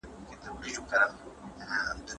زه به سبا تکړښت کوم!.